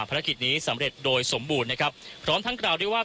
ภารกิจนี้สำเร็จโดยสมบูรณ์นะครับพร้อมทั้งกล่าวด้วยว่า